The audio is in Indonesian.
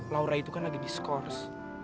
laura itu kan lagi diskors